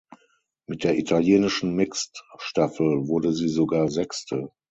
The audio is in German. Mit der italienischen Mixed-Staffel wurde sie sogar Sechste.